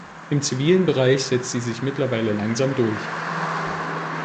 Im zivilen Bereich setzt sie sich mittlerweile langsam durch.